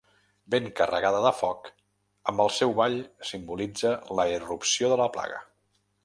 Ben carregada de foc, amb el seu ball simbolitza la irrupció de la plaga.